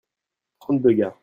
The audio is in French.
trente deux gars.